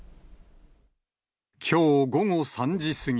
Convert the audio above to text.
きょう午後３時過ぎ。